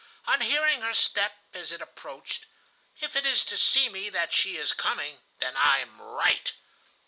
On hearing her step as it approached: 'If it is to see me that she is coming, then I am right.